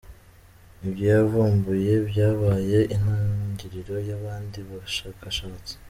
Ibyo yavumbuye byabaye intangiriro y’abandi bashakashatsi.